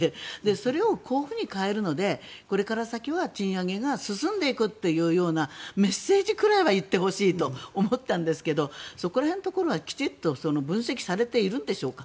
それをこういうふうに変えるのでこれから先は賃上げが進んでいくというようなメッセージくらいは言ってほしいと思ったんですけどそこら辺のところはきちっと分析されているんでしょうか。